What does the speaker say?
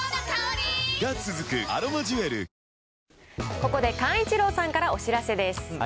ここで寛一郎さんからお知らせです。